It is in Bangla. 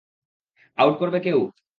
আউট করবে কেউ?